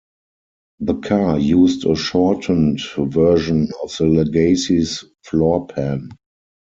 The car used a shortened version of the Legacy's floor pan.